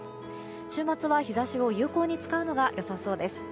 週末は日差しを有効に使うのが良さそうです。